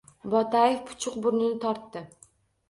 Bo‘taev puchuq burnini tortdi